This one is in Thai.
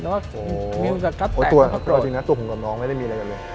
มิวจะกลับแตกก็ไม่โกรธโอ้โธตัวจริงนะตัวผมกับน้องไม่ได้มีอะไรกันเลย